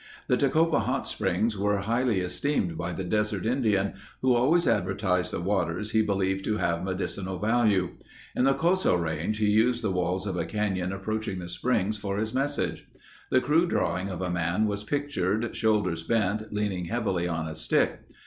The Tecopa Hot Springs were highly esteemed by the desert Indian, who always advertised the waters he believed to have medicinal value. In the Coso Range he used the walls of a canyon approaching the springs for his message. The crude drawing of a man was pictured, shoulders bent, leaning heavily on a stick.